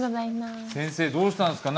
先生どうしたんですか？